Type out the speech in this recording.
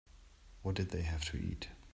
What did they have to eat?